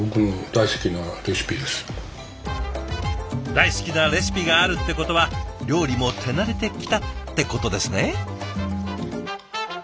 大好きなレシピがあるってことは料理も手慣れてきたってことですね？